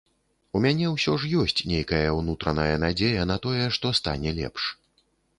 У мяне ўсё ж ёсць нейкая ўнутраная надзея на тое, што стане лепш.